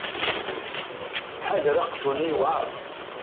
Ḥader aqjun-nni yuεren.